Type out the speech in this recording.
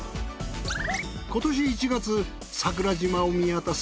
今年１月桜島を見渡す